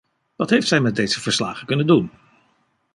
Wat heeft zij met deze verslagen kunnen doen?